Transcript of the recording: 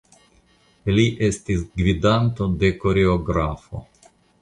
Li estis gvidanto kaj koreografo.